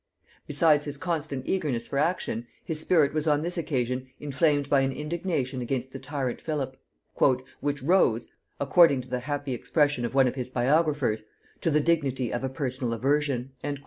Besides his constant eagerness for action, his spirit was on this occasion inflamed by an indignation against the tyrant Philip, "which rose," according to the happy expression of one of his biographers, "to the dignity of a personal aversion."